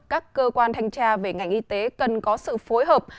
các cơ quan thanh tra về ngành y tế cần có sự phối hợp